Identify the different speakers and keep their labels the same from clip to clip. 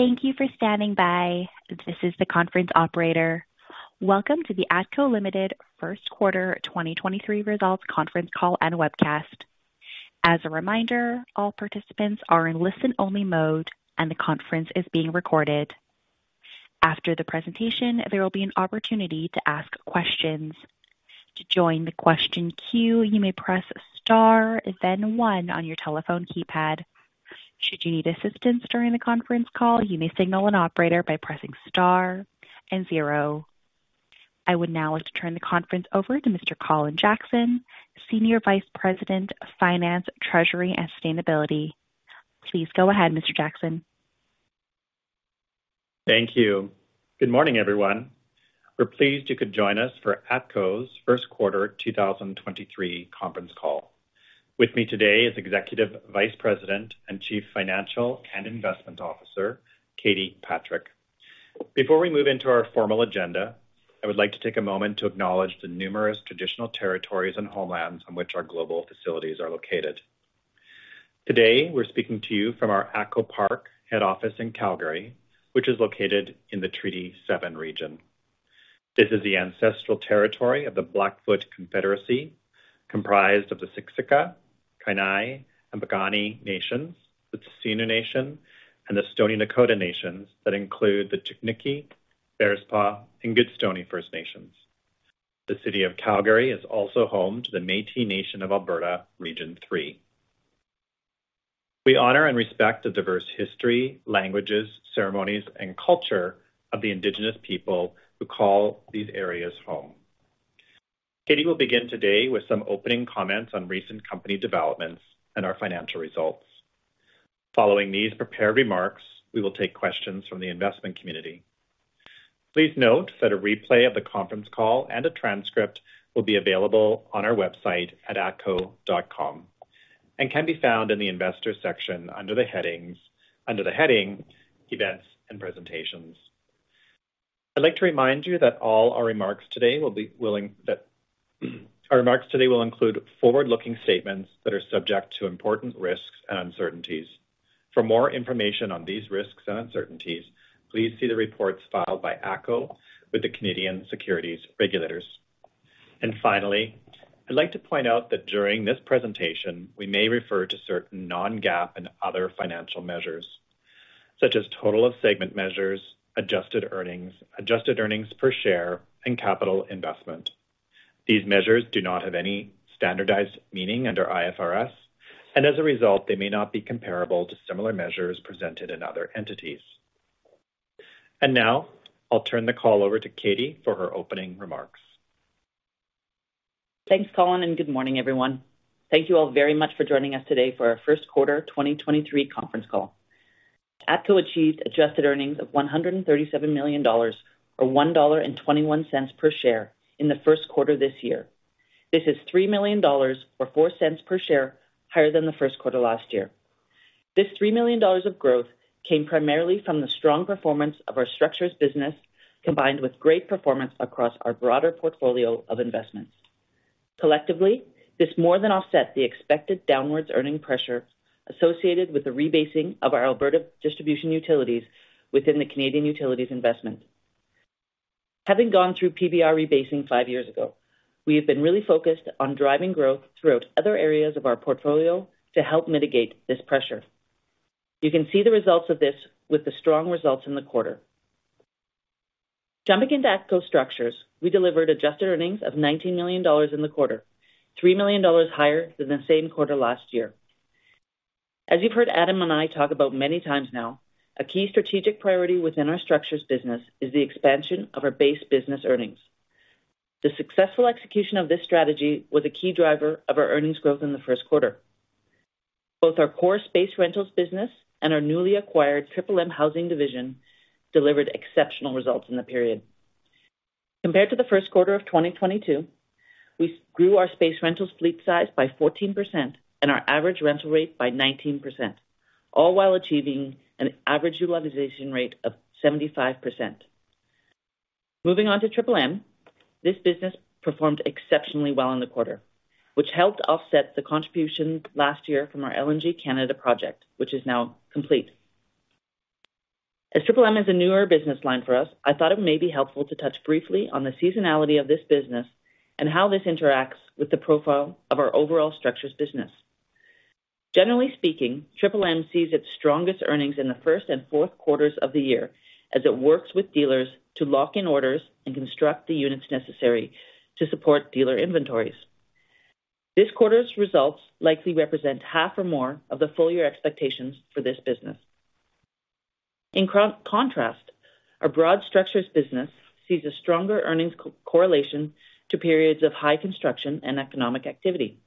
Speaker 1: Thank you for standing by. This is the conference operator. Welcome to the ATCO Ltd. First Quarter 2023 Results Conference Call and Webcast. As a reminder, all participants are in listen-only mode, and the conference is being recorded. After the presentation, there will be an opportunity to ask questions. To join the question queue, you may press star, then 1 on your telephone keypad. Should you need assistance during the conference call, you may signal an operator by pressing star and 0. I would now like to turn the conference over to Mr. Colin Jackson, Senior Vice President of Finance, Treasury and Sustainability. Please go ahead, Mr. Jackson.
Speaker 2: Thank you. Good morning, everyone. We're pleased you could join us for ATCO's First Quarter 2023 Conference Call. With me today is Executive Vice President and Chief Financial and Investment Officer, Katie Patrick. Before we move into our formal agenda, I would like to take a moment to acknowledge the numerous traditional territories and homelands on which our global facilities are located. Today, we're speaking to you from our ATCO Park head office in Calgary, which is located in the Treaty 7 region. This is the ancestral territory of the Blackfoot Confederacy, comprised of the Siksika, Kainai, and Piikani nations, the Tsuut'ina First Nation, and the Stoney Nakoda nations that include the Chiniki, Bearspaw, and Goodstoney First Nations. The city of Calgary is also home to the Métis Nation of Alberta, Region 3. We honor and respect the diverse history, languages, ceremonies, and culture of the indigenous people who call these areas home. Katie will begin today with some opening comments on recent company developments and our financial results. Following these prepared remarks, we will take questions from the investment community. Please note that a replay of the conference call and a transcript will be available on our website at atco.com and can be found in the investor section under the heading, Events and Presentations. I'd like to remind you that our remarks today will include forward-looking statements that are subject to important risks and uncertainties. For more information on these risks and uncertainties, please see the reports filed by ATCO with the Canadian Securities Administrators. Finally, I'd like to point out that during this presentation, we may refer to certain non-GAAP and other financial measures, such as total of segment measures, adjusted earnings, adjusted earnings per share, and capital investment. These measures do not have any standardized meaning under IFRS. As a result, they may not be comparable to similar measures presented in other entities. Now I'll turn the call over to Katie for her opening remarks.
Speaker 3: Thanks, Colin. Good morning, everyone. Thank you all very much for joining us today for our first quarter 2023 conference call. ATCO achieved adjusted earnings of 137 million dollars, or 1.21 dollar per share in the first quarter this year. This is 3 million dollars or 0.04 per share higher than the first quarter last year. This 3 million dollars of growth came primarily from the strong performance of our Structures business, combined with great performance across our broader portfolio of investments. Collectively, this more than offset the expected downward earning pressure associated with the rebasing of our Alberta Distribution Utilities within the Canadian Utilities investment. Having gone through PBR rebasing five years ago, we have been really focused on driving growth throughout other areas of our portfolio to help mitigate this pressure. You can see the results of this with the strong results in the quarter. Jumping into ATCO Structures, we delivered adjusted earnings of $19 million in the quarter, $3 million higher than the same quarter last year. As you've heard Adam and I talk about many times now, a key strategic priority within our Structures business is the expansion of our base business earnings. The successful execution of this strategy was a key driver of our earnings growth in the first quarter. Both our core space rentals business and our newly acquired Triple M Housing division delivered exceptional results in the period. Compared to the first quarter of 2022, we grew our space rentals fleet size by 14%, and our average rental rate by 19%, all while achieving an average utilization rate of 75%. Moving on to Triple M, this business performed exceptionally well in the quarter, which helped offset the contribution last year from our LNG Canada project, which is now complete. As Triple M is a newer business line for us, I thought it may be helpful to touch briefly on the seasonality of this business and how this interacts with the profile of our overall Structures business. Generally speaking, Triple M sees its strongest earnings in the first and fourth quarters of the year as it works with dealers to lock in orders and construct the units necessary to support dealer inventories. This quarter's results likely represent half or more of the full year expectations for this business. In contrast, our broad Structures business sees a stronger earnings correlation to periods of high construction and economic activity.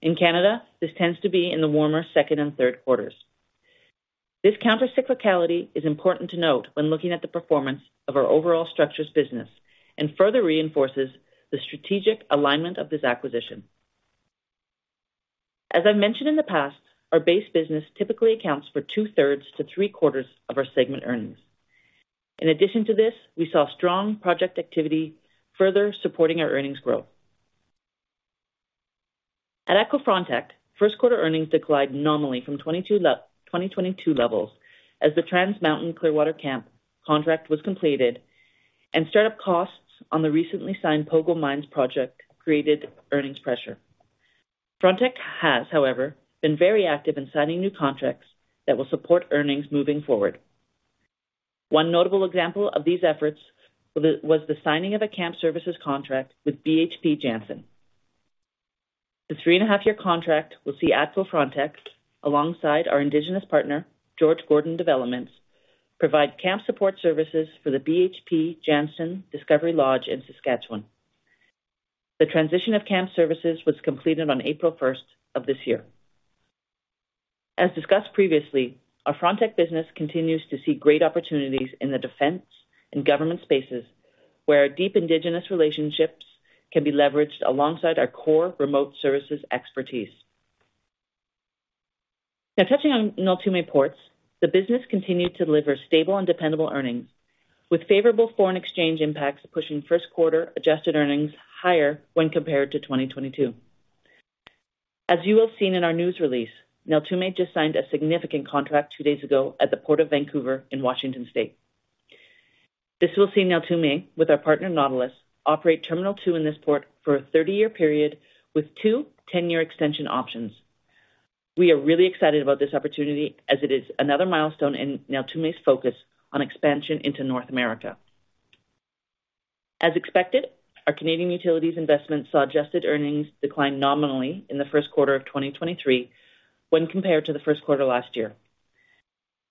Speaker 3: In Canada, this tends to be in the warmer second and third quarters. This counter cyclicality is important to note when looking at the performance of our overall Structures business and further reinforces the strategic alignment of this acquisition. As I mentioned in the past, our base business typically accounts for two-thirds to three-quarters of our segment earnings. In addition to this, we saw strong project activity further supporting our earnings growth. At ATCO Frontec, first quarter earnings declined nominally from 2022 levels as the Trans Mountain Clearwater camp contract was completed and start up costs on the recently signed Pogo Mine project created earnings pressure. Frontec has, however, been very active in signing new contracts that will support earnings moving forward. One notable example of these efforts was the signing of a camp services contract with BHP Jansen. The three and a half year contract will see ATCO Frontec alongside our indigenous partner, George Gordon Developments, provide camp support services for the BHP Jansen Discovery Lodge in Saskatchewan. The transition of camp services was completed on April 1st of this year. As discussed previously, our Frontec business continues to see great opportunities in the defense and government spaces, where deep indigenous relationships can be leveraged alongside our core remote services expertise. Touching on Neltume Ports, the business continued to deliver stable and dependable earnings with favorable foreign exchange impacts, pushing first quarter adjusted earnings higher when compared to 2022. As you have seen in our news release, Neltume just signed a significant contract two days ago at the Port of Vancouver in Washington State. This will see Neltume with our partner, Nautilus, operate terminal 2 in this port for a 30-year period with two 10-year extension options. We are really excited about this opportunity as it is another milestone in Neltume's focus on expansion into North America. As expected, our Canadian Utilities investment saw adjusted earnings decline nominally in the first quarter of 2023 when compared to the first quarter last year.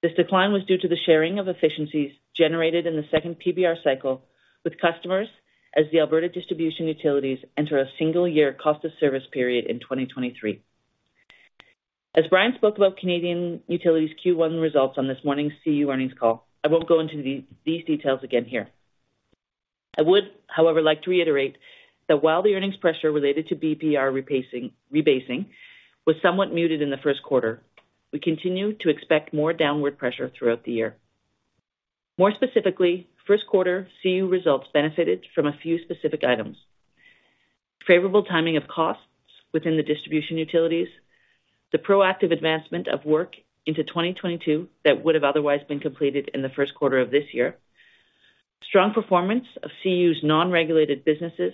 Speaker 3: This decline was due to the sharing of efficiencies generated in the second PBR cycle with customers as the Alberta Distribution Utilities enter a single year cost of service period in 2023. As Brian spoke about Canadian Utilities Q1 results on this morning's CU earnings call, I won't go into these details again here. I would, however, like to reiterate that while the earnings pressure related to PBR rebasing was somewhat muted in the first quarter, we continue to expect more downward pressure throughout the year. More specifically, first quarter CU results benefited from a few specific items. Favorable timing of costs within the distribution utilities, the proactive advancement of work into 2022 that would have otherwise been completed in the first quarter of this year. Strong performance of CU's non-regulated businesses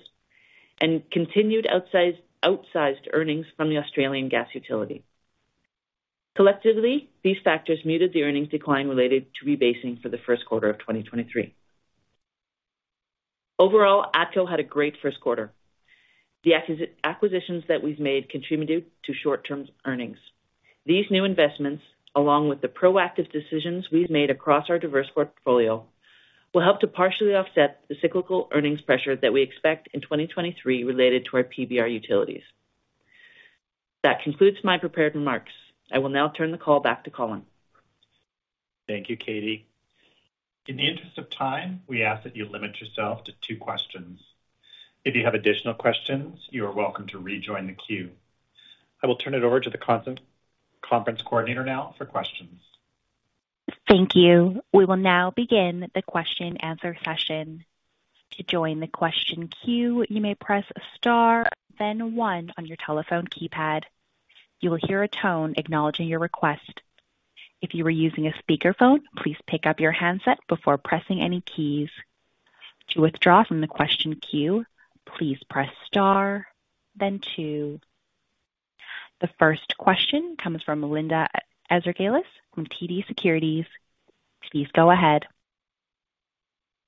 Speaker 3: and continued outsized earnings from the Australian gas utility. Collectively, these factors muted the earnings decline related to rebasing for the first quarter of 2023. Overall, ATCO had a great first quarter. The acquisitions that we've made contributed to short term earnings. These new investments, along with the proactive decisions we've made across our diverse portfolio, will help to partially offset the cyclical earnings pressure that we expect in 2023 related to our PBR utilities. That concludes my prepared remarks. I will now turn the call back to Colin.
Speaker 2: Thank you, Katie. In the interest of time, we ask that you limit yourself to two questions. If you have additional questions, you are welcome to rejoin the queue. I will turn it over to the conference coordinator now for questions.
Speaker 1: Thank you. We will now begin the question answer session. To join the question queue, you may press Star then one on your telephone keypad. You will hear a tone acknowledging your request. If you are using a speakerphone, please pick up your handset before pressing any keys. To withdraw from the question queue, please press Star then two. The first question comes from Linda Ezergailis from TD Securities. Please go ahead.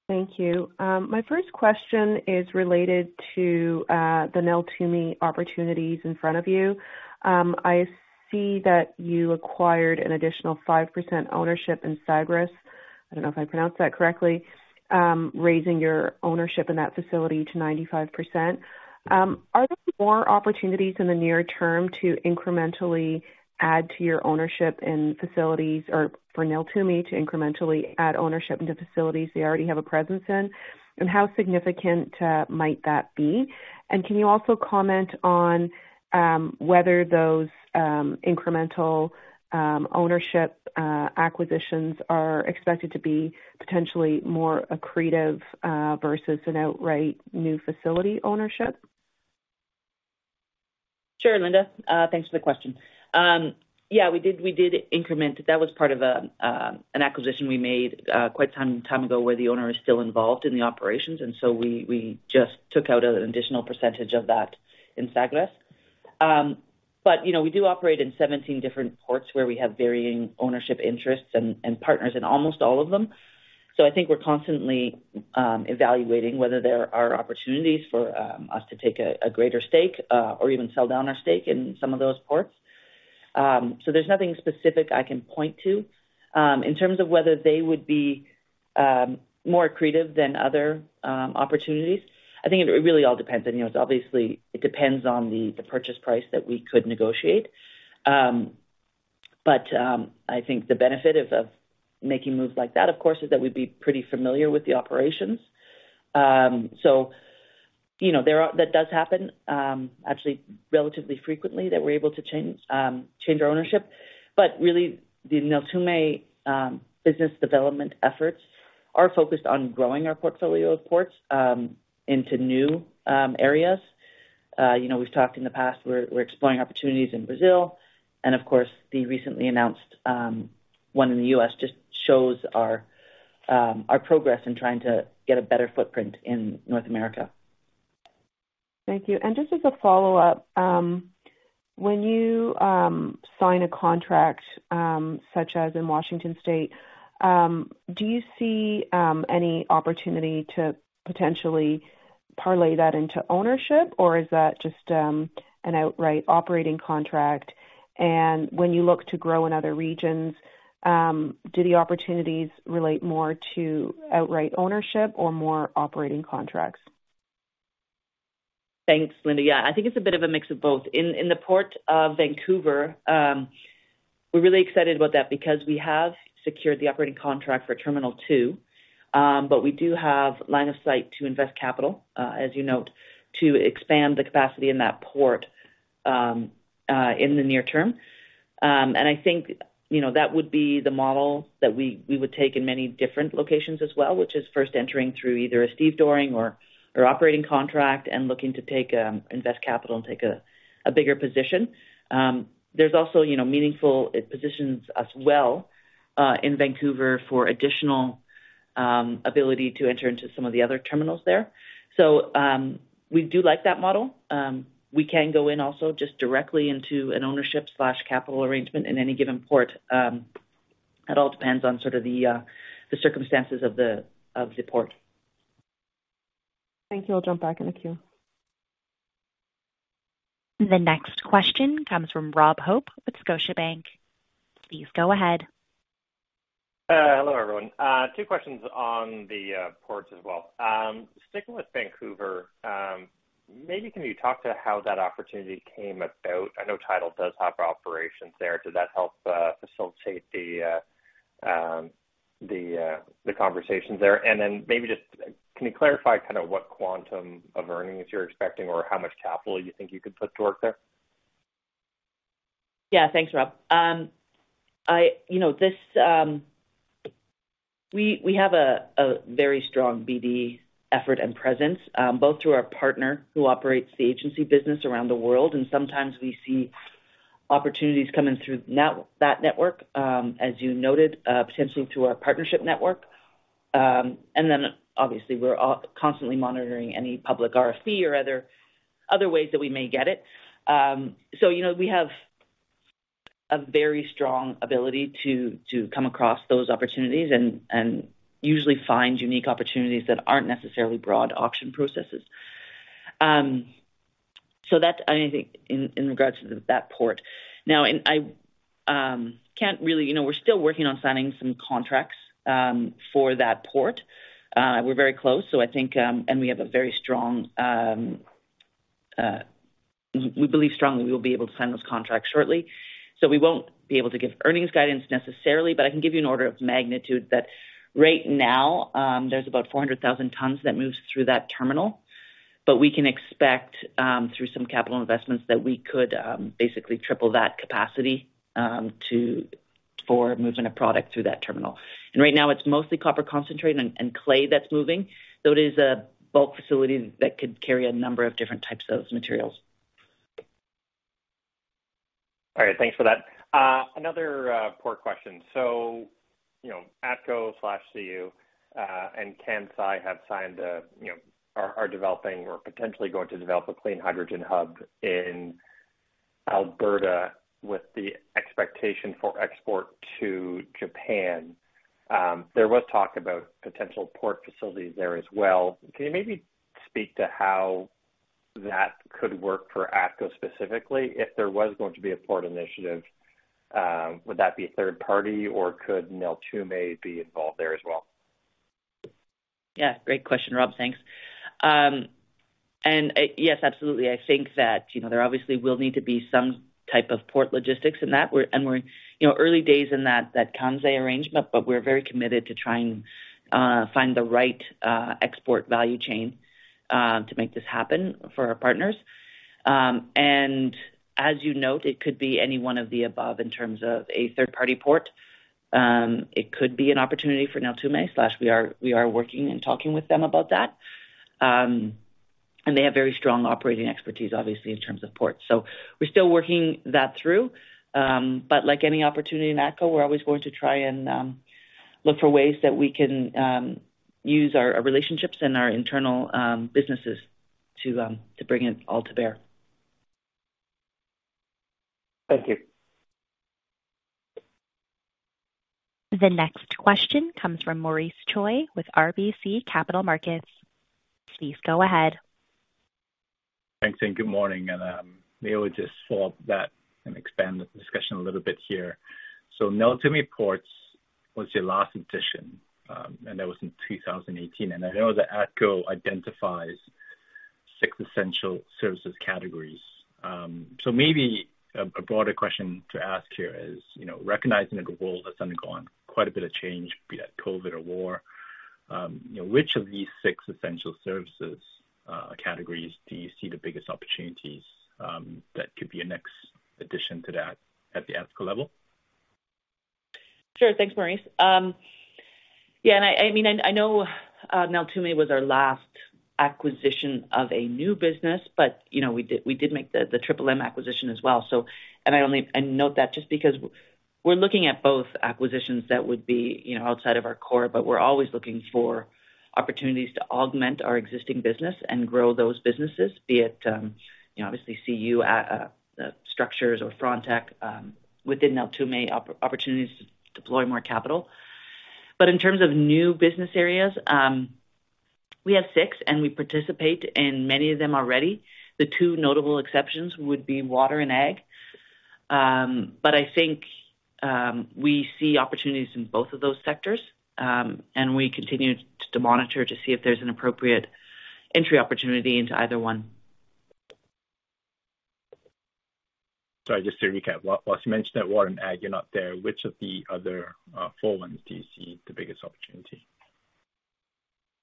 Speaker 4: Thank you. My first question is related to the Neltume opportunities in front of you. I see that you acquired an additional 5% ownership in Sagres. I don't know if I pronounced that correctly, raising your ownership in that facility to 95%. Are there more opportunities in the near term to incrementally add to your ownership in facilities or for Neltume to incrementally add ownership into facilities they already have a presence in? How significant might that be? Can you also comment on whether those incremental ownership acquisitions are expected to be potentially more accretive versus an outright new facility ownership?
Speaker 3: Sure, Linda. Thanks for the question. Yeah, we did increment. That was part of an acquisition we made quite time ago, where the owner is still involved in the operations. We just took out an additional percentage of that in Sagres. You know, we do operate in 17 different ports where we have varying ownership interests and partners in almost all of them. I think we're constantly evaluating whether there are opportunities for us to take a greater stake or even sell down our stake in some of those ports. There's nothing specific I can point to in terms of whether they would be more accretive than other opportunities. I think it really all depends on, you know, obviously it depends on the purchase price that we could negotiate. I think the benefit of making moves like that, of course, is that we'd be pretty familiar with the operations. You know, that does happen, actually relatively frequently that we're able to change our ownership. Really the Neltume business development efforts are focused on growing our portfolio of ports into new areas. You know, we've talked in the past, we're exploring opportunities in Brazil and of course, the recently announced one in the U.S. just shows our progress in trying to get a better footprint in North America.
Speaker 4: Thank you. Just as a follow-up, when you sign a contract, such as in Washington State, do you see any opportunity to potentially parlay that into ownership, or is that just an outright operating contract? When you look to grow in other regions, do the opportunities relate more to outright ownership or more operating contracts?
Speaker 3: Thanks, Linda. Yeah. I think it's a bit of a mix of both. In the Port of Vancouver, we're really excited about that because we have secured the operating contract for Terminal 2. We do have line of sight to invest capital, as you note, to expand the capacity in that port in the near term. I think, you know, that would be the model that we would take in many different locations as well, which is first entering through either a stevedoring or operating contract and looking to invest capital and take a bigger position. There's also, you know, It positions us well in Vancouver for additional ability to enter into some of the other terminals there. We do like that model. We can go in also just directly into an ownership/capital arrangement in any given port, it all depends on sort of the circumstances of the port.
Speaker 4: Thank you. I'll jump back in the queue.
Speaker 1: The next question comes from Rob Hope with Scotiabank. Please go ahead.
Speaker 5: Hello, everyone. Two questions on the ports as well. Sticking with Vancouver, maybe can you talk to how that opportunity came about? I know Tidal does have operations there. Does that help facilitate the conversations there? Maybe just can you clarify kind of what quantum of earnings you're expecting or how much capital you think you could put to work there?
Speaker 3: Yeah. Thanks, Rob. We have a very strong BD effort and presence, both through our partner who operates the agency business around the world, and sometimes we see opportunities coming through now, that network, as you noted, potentially through our partnership network. Then obviously we're constantly monitoring any public RFC or other ways that we may get it. You know, we have a very strong ability to come across those opportunities and usually find unique opportunities that aren't necessarily broad auction processes. That's only thing in regards to that port. Now, we're still working on signing some contracts for that port. We're very close, so I think, and we have a very strong, we believe strongly we will be able to sign those contracts shortly. We won't be able to give earnings guidance necessarily, but I can give you an order of magnitude that right now, there's about 400,000 tons that moves through that terminal. We can expect, through some capital investments, that we could basically triple that capacity for moving a product through that terminal. Right now it's mostly copper concentrate and clay that's moving. It is a bulk facility that could carry a number of different types of materials.
Speaker 5: All right. Thanks for that. another port question. You know, ATCO/CU, and Kansai have signed, you know, are developing or potentially going to develop a clean hydrogen hub in Alberta with the expectation for export to Japan. There was talk about potential port facilities there as well. Can you maybe speak to how that could work for ATCO specifically? If there was going to be a port initiative, would that be a third party or could Neltume be involved there as well?
Speaker 3: Yeah. Great question, Rob. Thanks. Yes, absolutely. I think that there obviously will need to be some type of port logistics in that. We're early days in that Kansai arrangement, but we're very committed to try and find the right export value chain to make this happen for our partners. As you note, it could be any one of the above in terms of a third-party port. It could be an opportunity for Neltume, we are working and talking with them about that. They have very strong operating expertise, obviously, in terms of ports. We're still working that through. Like any opportunity in ATCO, we're always going to try and look for ways that we can use our relationships and our internal businesses to bring it all to bear.
Speaker 5: Thank you.
Speaker 1: The next question comes from Maurice Choy with RBC Capital Markets. Please go ahead.
Speaker 6: Thanks, good morning. Maybe we just follow up that and expand the discussion a little bit here. Neltume Ports was your last addition, and that was in 2018. I know that ATCO identifies six essential services categories. Maybe a broader question to ask here is recognizing the world has undergone quite a bit of change, be that COVID or war, you know, which of these six essential services categories do you see the biggest opportunities that could be a next addition to that at the ethical level?
Speaker 3: Sure. Thanks, Maurice. I mean, Neltume was our last acquisition of a new business, but, we did make the Triple M acquisition as well. Note that just because we're looking at both acquisitions that would be outside of our core, but we're always looking for opportunities to augment our existing business and grow those businesses, be it, you know, obviously CU at Structures or Frontec, within Neltume opportunities to deploy more capital. In terms of new business areas, we have six. We participate in many of them already. The two notable exceptions would be water and ag. I think we see opportunities in both of those sectors, and we continue to monitor to see if there's an appropriate entry opportunity into either one.
Speaker 6: Just to recap, whilst you mentioned that water and ag, you're not there, which of the other, four ones do you see the biggest opportunity?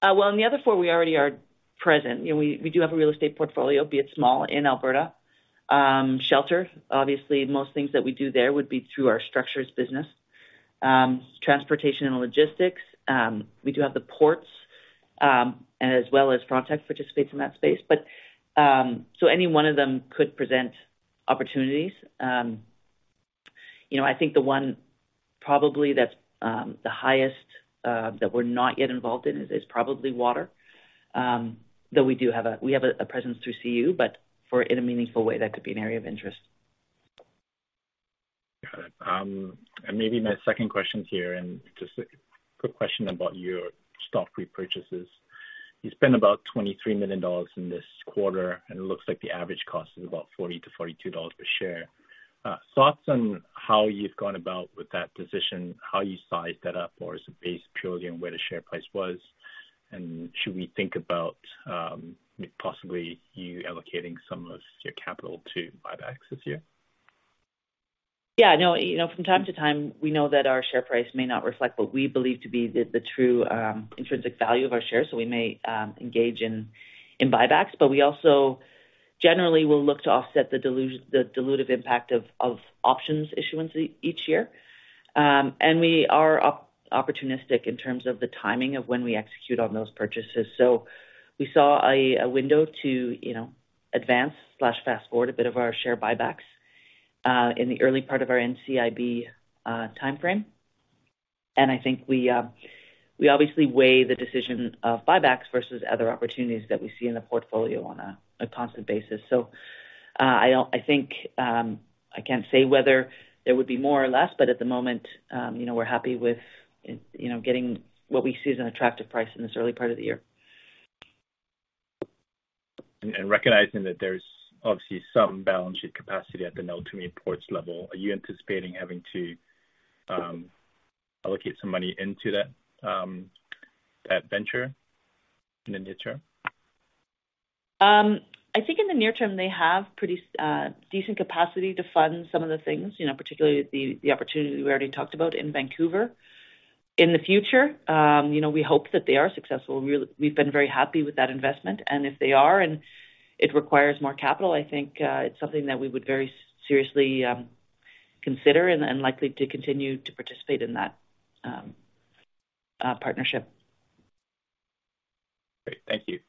Speaker 3: Well, in the other four, we already are present. You know, we do have a real estate portfolio, be it small, in Alberta. Shelter, obviously, most things that we do there would be through our Structures business. Transportation and logistics, we do have the ports, as well as Frontec participates in that space. Any one of them could present opportunities. I think the one probably that's the highest that we're not yet involved in is probably water. Though we do have a presence through CU, but for in a meaningful way, that could be an area of interest.
Speaker 6: Got it. Maybe my second question here, and just a quick question about your stock repurchases. You spent about 23 million dollars in this quarter, and it looks like the average cost is about 40-42 dollars per share. Thoughts on how you've gone about with that decision, how you sized that up, or is it based purely on where the share price was? Should we think about, possibly you allocating some of your capital to buybacks this year?
Speaker 3: You know, from time to time, we know that our share price may not reflect what we believe to be the true intrinsic value of our shares. We may engage in buybacks. We also generally will look to offset the dilutive impact of options issuance each year. We are opportunistic in terms of the timing of when we execute on those purchases. We saw a window to advance/fast-forward a bit of our share buybacks in the early part of our NCIB timeframe. I think we obviously weigh the decision of buybacks versus other opportunities that we see in the portfolio on a constant basis. I think, I can't say whether there would be more or less, but at the moment, we're happy with getting what we see as an attractive price in this early part of the year.
Speaker 6: Recognizing that there's obviously some balance sheet capacity at the Neltume Ports level, are you anticipating having to allocate some money into that venture in the near term?
Speaker 3: I think in the near term, they have pretty decent capacity to fund some of the things, particularly the opportunity we already talked about in Vancouver. In the future, we hope that they are successful. We've been very happy with that investment. If they are and it requires more capital, I think it's something that we would very seriously consider and likely to continue to participate in that partnership.
Speaker 6: Great. Thank you.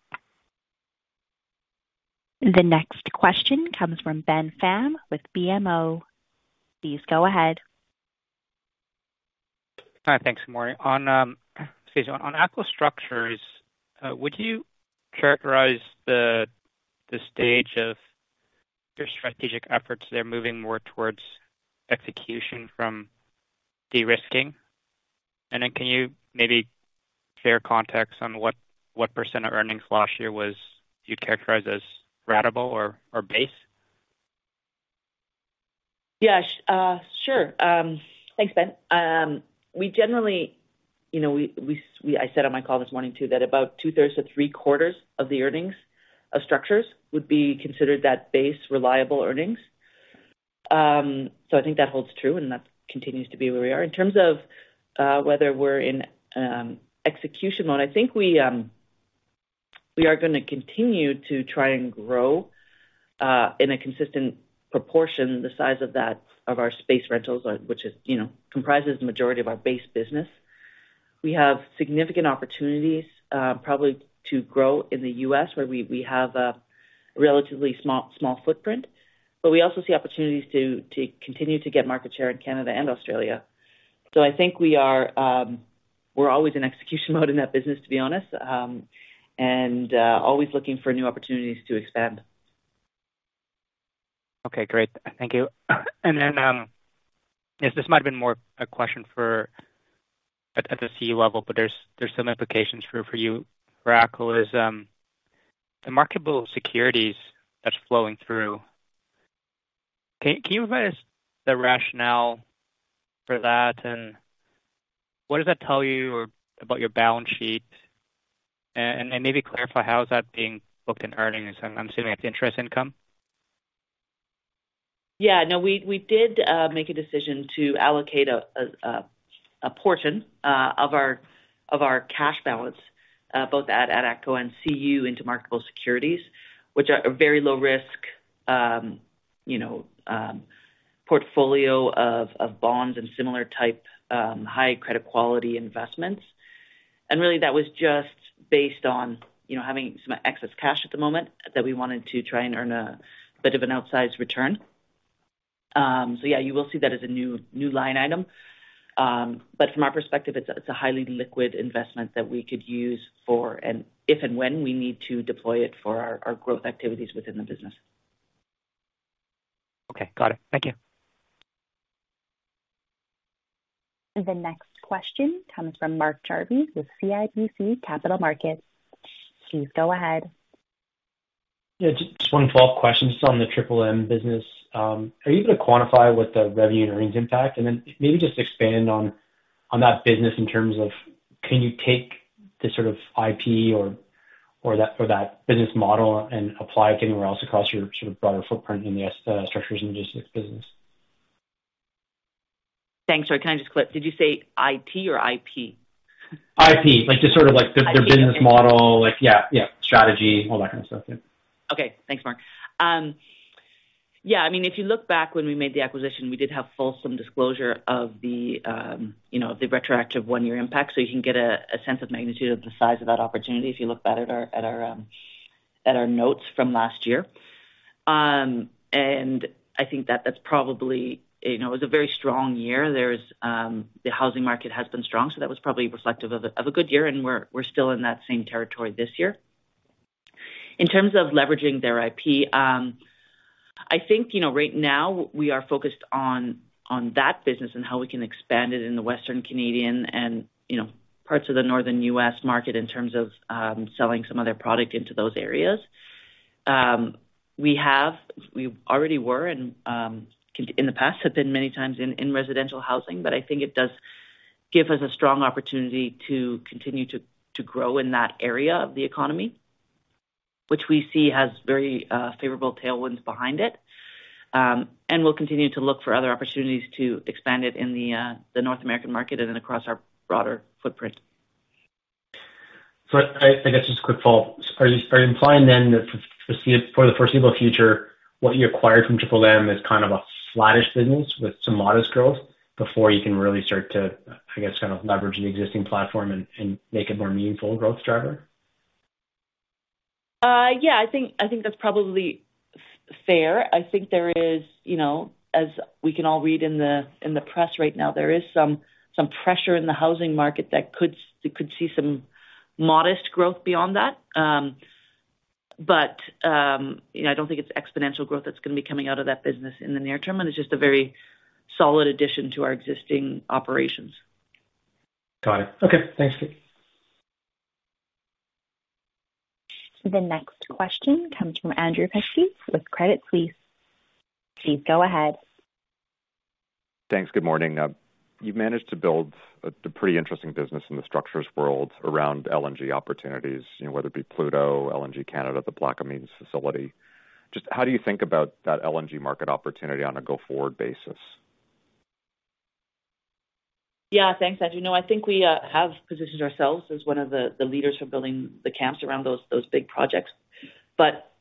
Speaker 1: The next question comes from Ben Pham with BMO. Please go ahead.
Speaker 7: Hi. Thanks, Maureen. On, excuse me. On ATCO Structures, would you characterize the stage of your strategic efforts there moving more towards execution from de-risking? Then can you maybe share context on what % of earnings last year was you'd characterize as ratable or base?
Speaker 3: Yeah. Sure. Thanks, Ben. We generally, you know, we said on my call this morning, too, that about two thirds to three quarters of the earnings of ATCO Structures would be considered that base reliable earnings. I think that holds true, and that continues to be where we are. In terms of whether we're in execution mode, I think we are gonna continue to try and grow in a consistent proportion the size of that, of our space rentals, which is, you know, comprises the majority of our base business. We have significant opportunities, probably to grow in the U.S., where we have a relatively small footprint, but we also see opportunities to continue to get market share in Canada and Australia. I think we're always in execution mode in that business, to be honest, always looking for new opportunities to expand.
Speaker 7: Okay, great. Thank you. Then, I guess this might have been more a question for at the CU level, but there's some implications for you for ATCO. Is the marketable securities that's flowing through, can you provide us the rationale for that? What does that tell you about your balance sheet? And then maybe clarify how is that being booked in earnings? I'm assuming that's interest income.
Speaker 3: Yeah. No, we did make a decision to allocate a portion of our cash balance, both at ATCO and CU, into marketable securities, which are a very low risk, you know, portfolio of bonds and similar type high credit quality investments. Really, that was just based on, you know, having some excess cash at the moment that we wanted to try and earn a bit of an outsized return. Yeah, you will see that as a new line item. From our perspective, it's a highly liquid investment that we could use for and if and when we need to deploy it for our growth activities within the business.
Speaker 7: Okay. Got it. Thank you.
Speaker 1: The next question comes from Mark Jarvi with CIBC Capital Markets. Please go ahead.
Speaker 8: Yeah, just one follow-up question just on the Triple M business. Are you gonna quantify what the revenue and earnings impact? Maybe just expand on that business in terms of can you take this sort of IP or that business model and apply it anywhere else across your sort of broader footprint in the Structures and Logistics business?
Speaker 3: Thanks. Sorry, can I just clip? Did you say I.T. or I.P.?
Speaker 8: I.P. Like, just sort of like the business model.
Speaker 3: Okay.
Speaker 8: Like, yeah, strategy, all that kind of stuff. Yeah.
Speaker 3: Okay. Thanks, Mark. Yeah, I mean, if you look back when we made the acquisition, we did have fulsome disclosure of the retroactive one-year impact. You can get a sense of magnitude of the size of that opportunity if you look back at our notes from last year. I think that that's probably, you know, it was a very strong year. There's the housing market has been strong, so that was probably reflective of a good year, and we're still in that same territory this year. In terms of leveraging their IP, I think, you know, right now we are focused on that business and how we can expand it in the Western Canadian and parts of the Northern U.S. market in terms of selling some of their product into those areas. We already were and in the past have been many times in residential housing. I think it does give us a strong opportunity to continue to grow in that area of the economy, which we see has very favorable tailwinds behind it. We'll continue to look for other opportunities to expand it in the North American market and across our broader footprint.
Speaker 8: I guess just a quick follow-up. Are you implying then that for the foreseeable future, what you acquired from Triple M is kind of a flattish business with some modest growth before you can really start to, I guess, kind of leverage the existing platform and make a more meaningful growth driver?
Speaker 3: Yeah, I think that's probably fair. I think there is, you know, as we can all read in the, in the press right now, there is some pressure in the housing market that could see some modest growth beyond that. But, I don't think it's exponential growth that's gonna be coming out of that business in the near term. And it's just a very solid addition to our existing operations.
Speaker 8: Got it. Okay. Thanks.
Speaker 1: The next question comes from Andrew Kuske with Credit Suisse. Please go ahead.
Speaker 9: Thanks. Good morning. You've managed to build a pretty interesting business in the structures world around LNG opportunities, you know, whether it be Pluto, LNG Canada, the Plaquemines facility. Just how do you think about that LNG market opportunity on a go-forward basis?
Speaker 3: Thanks, Andrew. I think we have positioned ourselves as one of the leaders for building the camps around those big projects.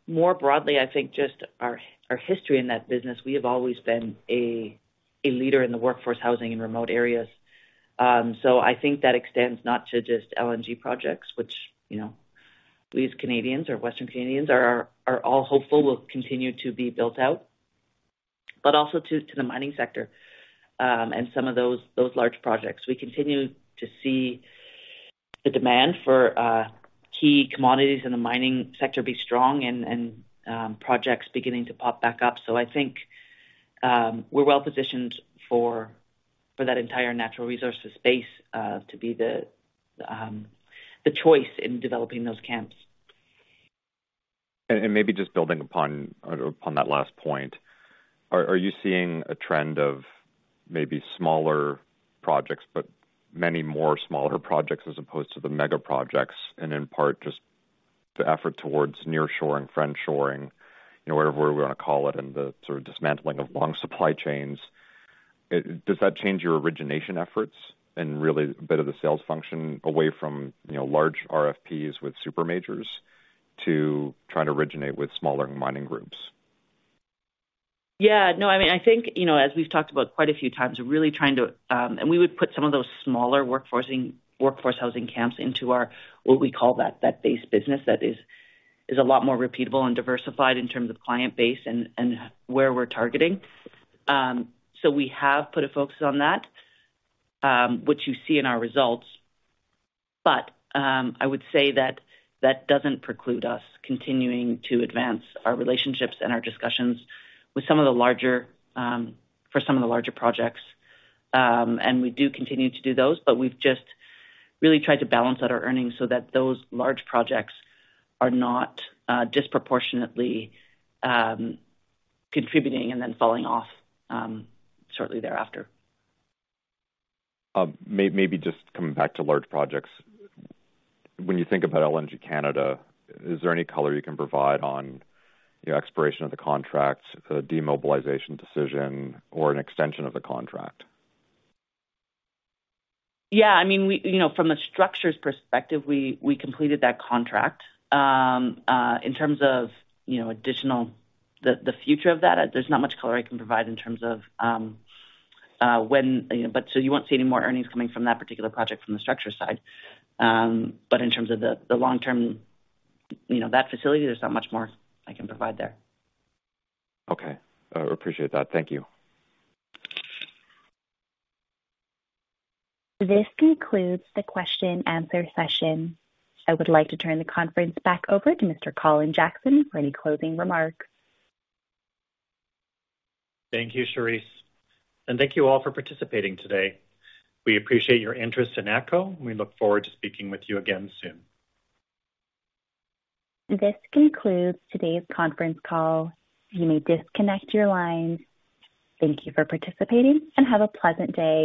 Speaker 3: More broadly, I think just our history in that business, we have always been a leader in the workforce housing in remote areas. I think that extends not to just LNG projects, which, you know, we as Canadians or Western Canadians are all hopeful will continue to be built out, but also to the mining sector and some of those large projects. We continue to see the demand for key commodities in the mining sector be strong and projects beginning to pop back up. I think we're well-positioned for that entire natural resources space to be the choice in developing those camps.
Speaker 9: Maybe just building upon that last point. Are you seeing a trend of maybe smaller projects, but many more smaller projects as opposed to the mega projects? In part, just the effort towards near shoring, friend shoring, you know, whatever word we wanna call it, and the sort of dismantling of long supply chains. Does that change your origination efforts and really a bit of the sales function away from large RFPs with super majors to try to originate with smaller mining groups?
Speaker 3: Yeah. No, I mean, as we've talked about quite a few times, we're really trying to. We would put some of those smaller workforce housing camps into our, what we call that base business that is a lot more repeatable and diversified in terms of client base and where we're targeting. We have put a focus on that, which you see in our results. I would say that that doesn't preclude us continuing to advance our relationships and our discussions with some of the larger, for some of the larger projects. We do continue to do those, but we've just really tried to balance out our earnings so that those large projects are not disproportionately contributing and then falling off shortly thereafter.
Speaker 9: Maybe just coming back to large projects. When you think about LNG Canada, is there any color you can provide on, you know, expiration of the contract, demobilization decision or an extension of the contract?
Speaker 3: Yeah, I mean, you know, from a structures perspective, we completed that contract. In terms of, you know, The future of that, there's not much color I can provide in terms of when, you know. You won't see any more earnings coming from that particular project from the structures side. In terms of the long term, you know, that facility, there's not much more I can provide there.
Speaker 9: Okay. Appreciate that. Thank you.
Speaker 1: This concludes the question and answer session. I would like to turn the conference back over to Mr. Colin Jackson for any closing remarks.
Speaker 2: Thank you, Cherisse. Thank you all for participating today. We appreciate your interest in ATCO, and we look forward to speaking with you again soon.
Speaker 1: This concludes today's conference call. You may disconnect your lines. Thank you for participating, have a pleasant day.